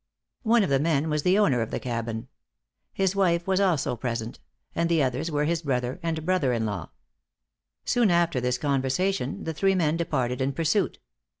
One of the men was the owner of the cabin. His wife was also present; and the others were his brother and brother in law. Soon after this conversation, the three men departed in pursuit.